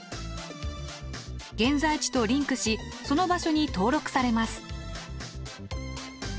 現在地とリンクしその場所に登録されます。